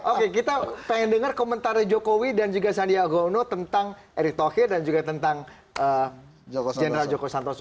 oke kita pengen dengar komentarnya jokowi dan juga sandiaga uno tentang erick thohir dan juga tentang general joko santoso